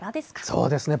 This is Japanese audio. そうですね。